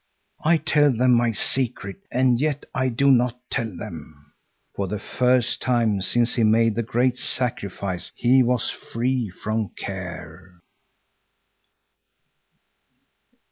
I tell them my secret, and yet I do not tell them." For the first time since he made the great sacrifice he was free from care.